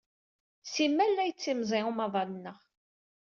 Simal la yettimẓiy umaḍal-nneɣ.